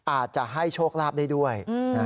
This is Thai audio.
อาจจะให้โชคลาภได้ด้วย